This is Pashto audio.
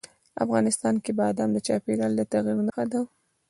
افغانستان کې بادام د چاپېریال د تغیر نښه ده.